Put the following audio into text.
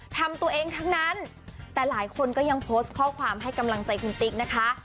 ทำตัวเองทั้งนั้นแต่หลายคนก็ยังโพสต์ข้อความให้กำลังใจคุณติ๊กนะคะ